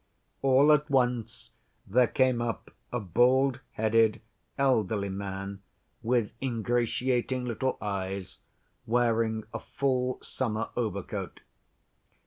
All at once there came up a bald‐headed, elderly man with ingratiating little eyes, wearing a full, summer overcoat.